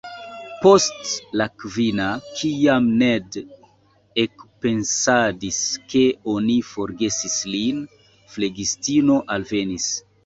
Post la kvina, kiam Ned ekpensadis ke oni forgesis lin, flegistino alvenis.